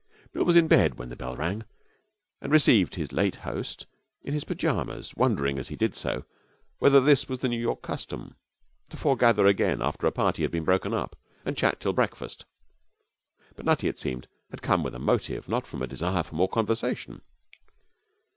Bill was in bed when the bell rang, and received his late host in his pyjamas, wondering, as he did so, whether this was the New York custom, to foregather again after a party had been broken up, and chat till breakfast. But Nutty, it seemed, had come with a motive, not from a desire for more conversation.